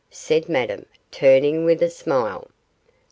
said Madame, turning with a smile.